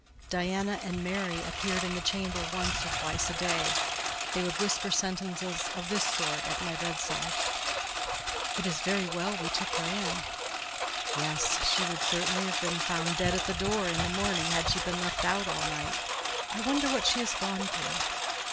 Diana and Mary appeared in the chamber once or twice a day. They would whisper sentences of this sort at my bedside— "It is very well we took her in." "Yes; she would certainly have been found dead at the door in the morning had she been left out all night. I wonder what she has gone through?"